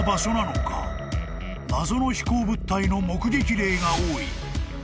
［謎の飛行物体の目撃例が多い］